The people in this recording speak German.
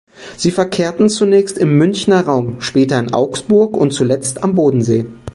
Sie verkehrten zunächst im Münchner Raum, später in Augsburg und zuletzt am Bodensee.